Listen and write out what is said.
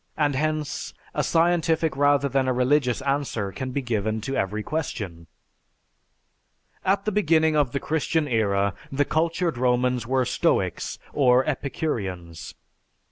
And hence, a scientific rather than a religious answer can be given to every question." At the beginning of the Christian era, the cultured Romans were stoics or epicureans.